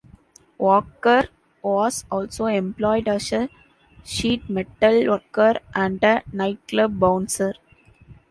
Walker was also employed as a sheet metal worker and a nightclub bouncer.